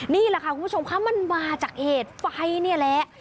นี่แหละค่ะคุณผู้ชมคะมันมาจากเหตุไฟนี่แหละ